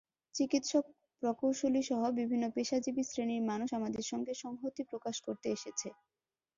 চিকিৎসক, প্রকোশলীসহ বিভিন্ন পেশাজীবী শ্রেনীর মানুষ আমাদের সঙ্গে সংহতি প্রকাশ করতে এসেছে।